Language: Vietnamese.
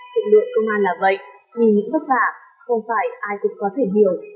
lực lượng công an là vậy vì những vất vả không phải ai cũng có thể hiểu